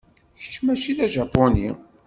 Kečč mačči d ajapuni.